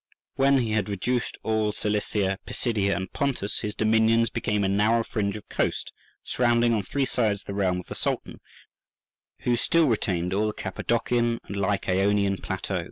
When he had reduced all Cilicia, Pisidia, and Pontus, his dominions became a narrow fringe of coast, surrounding on three sides the realm of the Sultan, who still retained all the Cappadocian and Lycaonian plateau.